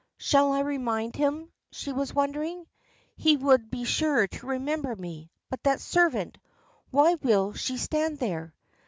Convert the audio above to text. "Shall I remind him?" she was wondering. "He would be sure to remember me. But that servant! Why will she stand there?"